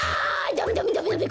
ダメダメダメダメ！